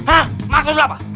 hah maksud lu apa